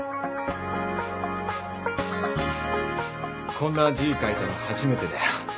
こんな字書いたの初めてだよ。